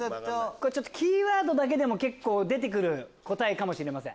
これキーワードだけでも出て来る答えかもしれません。